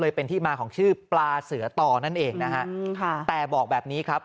เป็นที่มาของชื่อปลาเสือต่อนั่นเองนะฮะค่ะแต่บอกแบบนี้ครับ